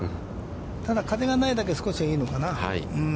ただ、風がないだけ、少しはいいのかな。